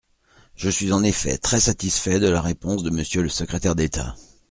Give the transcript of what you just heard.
Je suis en effet très satisfait de la réponse de Monsieur le secrétaire d’État.